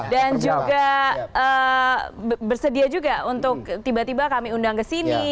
dan juga bersedia juga untuk tiba tiba kami undang ke sini